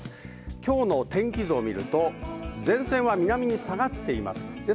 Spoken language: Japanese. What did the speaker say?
今日の天気図を見ると前線は南に下がっています。